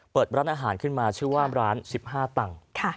เปิดร้านอาหารขึ้นมาชื่อว่าร้าน๑๕ตังค์